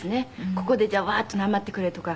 ここでじゃあワーッとなまってくれとか